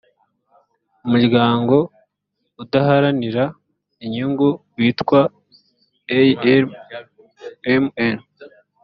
umuryango udaharanira inyungu witwa almn